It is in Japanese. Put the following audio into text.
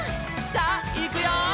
「さあいくよー！」